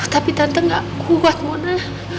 tapi tante gak kuat modal